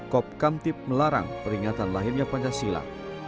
kop kamtip melarang peringatan lahirnya pancasila